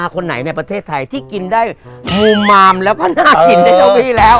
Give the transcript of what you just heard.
คนไหนในประเทศไทยที่กินได้มูมามแล้วก็น่ากินในเก้าอี้แล้ว